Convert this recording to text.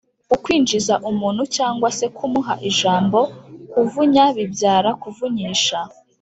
ukwinjiza umuntu cyangwa se kumuha ijambo kuvunya bibyara kuvunyisha